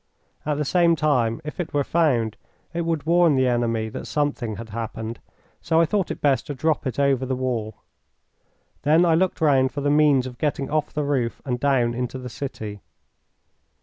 At the same time, if it were found, it would warn the enemy that something had happened, so I thought it best to drop it over the wall. Then I looked round for the means of getting off the roof and down into the city.